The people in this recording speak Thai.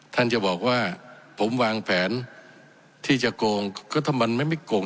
ท่านจะบอกว่าผมวางแผนที่จะโกงก็ถ้ามันไม่โกง